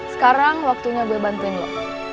sekarang waktunya gue bantuin yuk